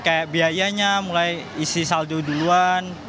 kayak biayanya mulai isi saldo duluan